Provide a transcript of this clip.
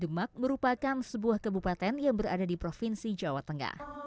demak merupakan sebuah kebupaten yang berada di provinsi jawa tengah